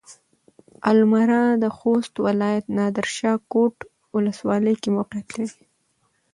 المره د خوست ولايت نادرشاه کوټ ولسوالۍ کې موقعيت لري.